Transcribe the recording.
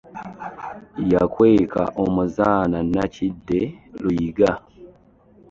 Yakweka omuzaana Nakidde Luyiga.